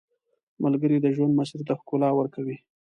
ملګری د ژوند مسیر ته ښکلا ورکوي